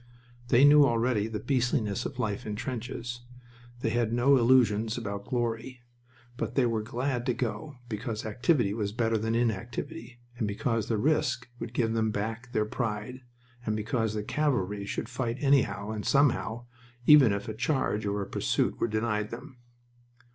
They knew already the beastliness of life in trenches. They had no illusions about "glory." But they were glad to go, because activity was better than inactivity, and because the risk would give them back their pride, and because the cavalry should fight anyhow and somehow, even if a charge or a pursuit were denied them.